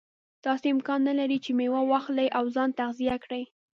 داسې امکان نه لري چې میوه واخلي او ځان تغذیه کړي.